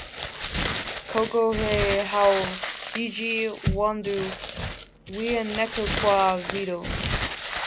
Kokoghe hao ijhi w'andu w'enekwaa vindo.